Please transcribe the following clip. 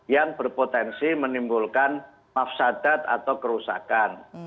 yang berpotensi menimbulkan mafsadat atau kerusakan